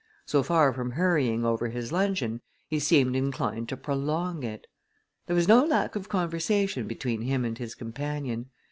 So far from hurrying over his luncheon, he seemed inclined to prolong it. There was no lack of conversation between him and his companion.